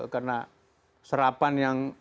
karena serapan yang